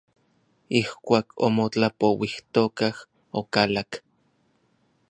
Ijkuak omotlapouijtokaj, okalak.